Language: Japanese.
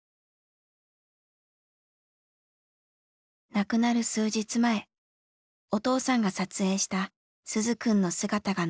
亡くなる数日前お父さんが撮影した鈴くんの姿が残っていました。